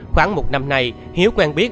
khoảng một năm nay hiếu quen biết